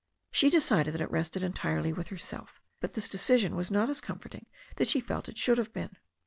She decided that it rested entirely with herself. But this decision was not as comforting as she felt it should have been.